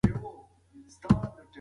ستاسو هر کار په شخصي ډیشبورډ کې حسابېږي.